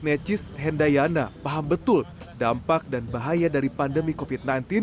necis hendayana paham betul dampak dan bahaya dari pandemi covid sembilan belas